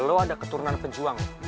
lo ada keturunan pencuang ya